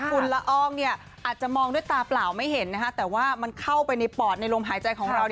คุณละอองเนี่ยอาจจะมองด้วยตาเปล่าไม่เห็นนะคะแต่ว่ามันเข้าไปในปอดในลมหายใจของเรา